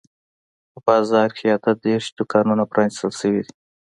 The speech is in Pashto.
په بازار کې اته دیرش دوکانونه پرانیستل شوي دي.